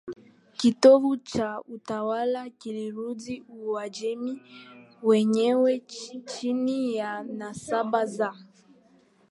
kitovu cha utawala kilirudi Uajemi wenyewe chini ya nasaba za